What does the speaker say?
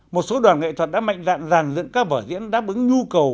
một số đoàn nghệ thuật đã mạnh dạn dàn dựng các vở diễn đáp ứng nhu cầu